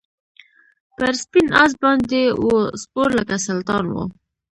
پر سپین آس باندي وو سپور لکه سلطان وو